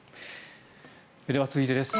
では、続いてです。